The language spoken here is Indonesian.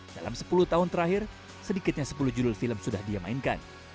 dalam sepuluh tahun terakhir sedikitnya sepuluh judul film sudah dia mainkan